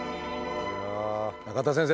中田先生